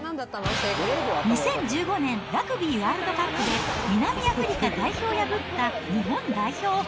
２０１５年ラグビーワールドカップで南アフリカ代表を破った日本代表。